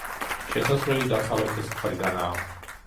შესასვლელი დასავლეთის მხრიდანაა.